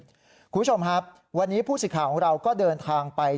คุณผู้ชมครับวันนี้ผู้สิทธิ์ของเราก็เดินทางไป